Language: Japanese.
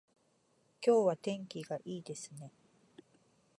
今日は天気がいいですね